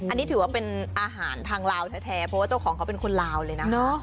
อันนี้ถือว่าเป็นอาหารทางลาวแท้เพราะว่าเจ้าของเขาเป็นคนลาวเลยนะ